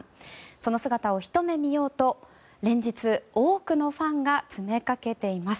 その姿をひと目見ようと連日、多くのファンが詰めかけています。